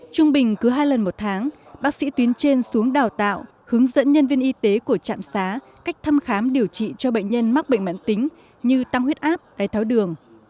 trung bình cứ hai lần một tháng bác sĩ tuyến trên xuống đào tạo hướng dẫn nhân viên y tế của trạm xá cách thăm khám điều trị cho bệnh nhân mắc bệnh mãn tính như tăng huyết áp đáy tháo đường